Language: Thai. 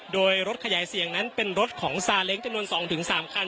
โดยรถขยายเสียงนั้นเป็นรถของซาเล้งจำนวน๒๓คัน